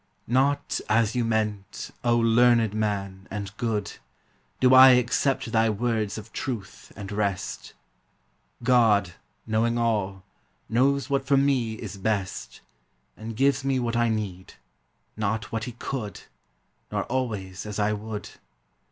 Not as you meant, O learned man, and good! Do I accept thy words of truth and rest; God, knowing all, knows what for me is best, And gives me what I need, not what he could, Nor always as I would!